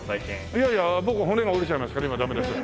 いやいや僕骨が折れちゃいますから今ダメです。